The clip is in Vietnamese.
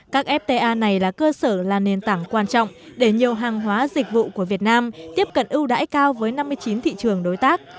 các fta này là cơ sở là nền tảng quan trọng để nhiều hàng hóa dịch vụ của việt nam tiếp cận ưu đãi cao với năm mươi chín thị trường đối tác